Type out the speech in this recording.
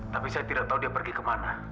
tapi saya tidak tahu dia pergi kemana